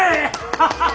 ハハハ！